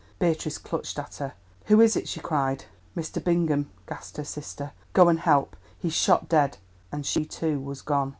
Beatrice clutched at her. "Who is it?" she cried. "Mr. Bingham," gasped her sister. "Go and help; he's shot dead!" And she too was gone.